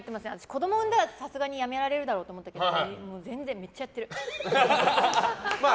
子供産んだらさすがにやめられるだろうと思ってたけど全然、めっちゃやってる。